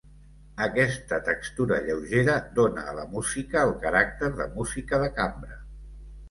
Aquesta textura lleugera dóna a la música el caràcter de música de cambra.